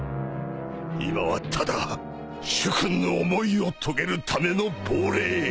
今はただ主君の思いを遂げるための亡霊。